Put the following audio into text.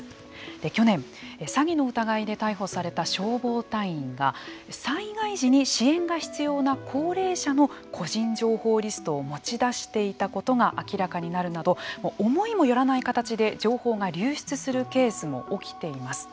去年、詐欺の疑いで逮捕された消防隊員が災害時に支援が必要な高齢者の個人情報リストを持ち出していたことが明らかになるなど思いも寄らない形で情報が流出するケースも起きています。